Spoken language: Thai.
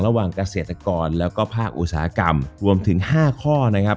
เกษตรกรแล้วก็ภาคอุตสาหกรรมรวมถึง๕ข้อนะครับ